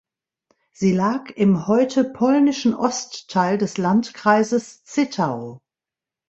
Sie lag im heute polnischen Ostteil des Landkreises Zittau.